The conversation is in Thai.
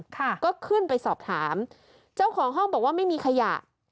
ค่ะก็ขึ้นไปสอบถามเจ้าของห้องบอกว่าไม่มีขยะ